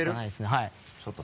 はい。